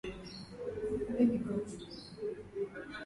usafi wa shamba unasaidia kupunguza wadudu wa viazi lishe